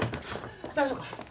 大丈夫か？